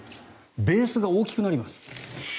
ベースが大きくなります。